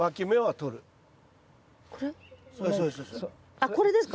あっこれですか？